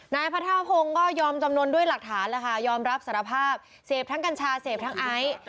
นายพระธาพงศ์ก็ยอมจำนวนด้วยหลักฐานแล้วค่ะยอมรับสารภาพเสพทั้งกัญชาเสพทั้งไอซ์